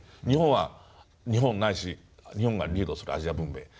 日本は日本ないし日本がリードするアジア文明。